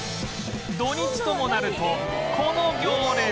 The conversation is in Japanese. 土日ともなるとこの行列